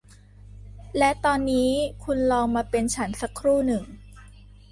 และตอนนี้คุณลองมาเป็นฉันสักครู่หนึ่ง